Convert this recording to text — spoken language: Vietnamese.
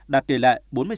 đạt tỷ lệ bốn mươi sáu bảy